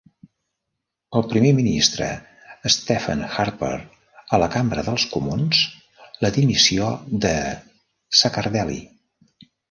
El primer ministre Stephen Harper a la Cambra dels Comuns la dimissió de Zaccardelli.